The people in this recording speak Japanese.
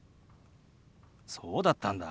そうだったんだ。